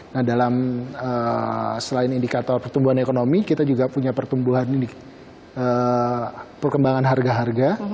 nah dalam selain indikator pertumbuhan ekonomi kita juga punya pertumbuhan harga harga